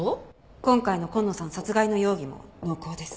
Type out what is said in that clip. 今回の今野さん殺害の容疑も濃厚です。